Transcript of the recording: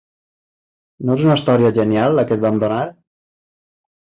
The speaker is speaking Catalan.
No és una història genial, la que et vam donar?